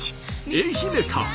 愛媛か？